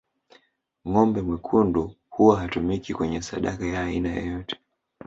Ngombe mwekundu huwa hatumiki kwenye sadaka ya aina yoyote